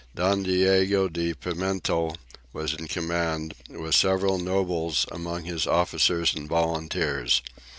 Don Diego de Pimentel was in command, with several nobles among his officers and volunteers.